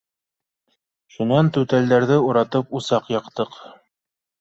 Шунан түтәлдәрҙе уратып усаҡ яҡтыҡ.